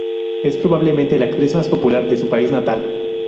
Es probablemente la actriz más popular de su país natal.